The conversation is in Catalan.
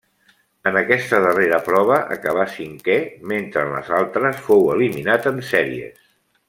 En aquesta darrera prova acabà cinquè, mentre en les altres fou eliminat en sèries.